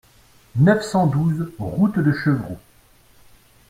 neuf cent douze route de Chevroux